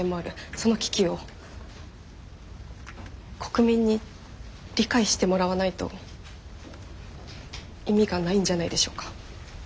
その危機を国民に理解してもらわないと意味がないんじゃないでしょうか？